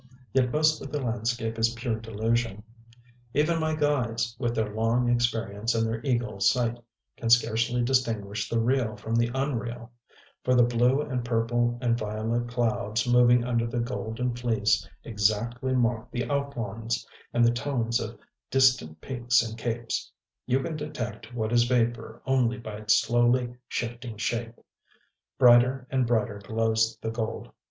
Yet most of the landscape is pure delusion. Even my guides, with their long experience and their eagle sight, can scarcely distinguish the real from the unreal; for the blue and purple and violet clouds moving under the Golden Fleece, exactly mock the outlines and the tones of distant peaks and capes: you can detect what is vapor only by its slowly shifting shape.... Brighter and brighter glows the gold.